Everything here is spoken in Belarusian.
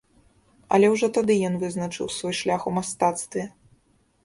Але ўжо тады ён вызначыў свой шлях у мастацтве.